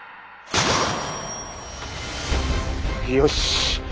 よし！